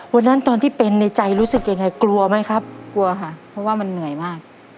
วันนั้นตอนที่เป็นในใจรู้สึกยังไงกลัวไหมครับกลัวค่ะเพราะว่ามันเหนื่อยมาก